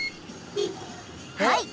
はい！